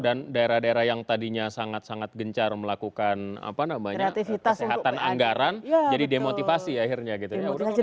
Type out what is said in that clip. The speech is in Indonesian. dan daerah daerah yang tadinya sangat sangat gencar melakukan apa namanya kesehatan anggaran jadi demotivasi akhirnya gitu